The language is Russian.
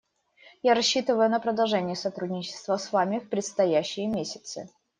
Я рассчитываю на продолжение сотрудничества с Вами в предстоящие месяцы.